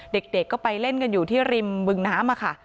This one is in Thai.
เด็กก็ไปเล่นกันอยู่ที่ริมบึงน้ำค่ะ